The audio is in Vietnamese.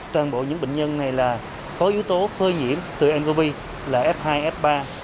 toàn bộ những bệnh nhân này là có yếu tố phơi nhiễm từ ncov là f hai f ba